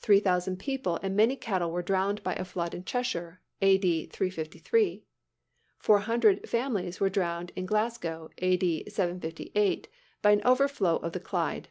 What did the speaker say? Three thousand people and many cattle were drowned by a flood in Cheshire, A. D., 353. Four hundred families were drowned in Glasgow, A. D., 758, by an overflow of the Clyde.